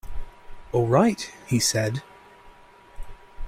"All right," he said.